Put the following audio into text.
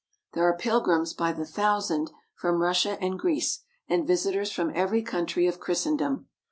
There are pilgrims by the thousand from Russia and Greece and visitors from every country of Christendom.